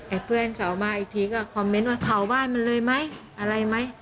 เพื่อนเขามาอีกทีก็คอมเมนต์ว่าเผาบ้านมันเลยไหมอะไรไหม